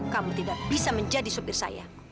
kamu tidak bisa menjadi supir saya